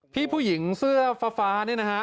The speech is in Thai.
พี่ผู้หญิงเสื้อฟ้านี่นะฮะ